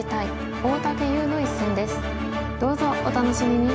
どうぞお楽しみに！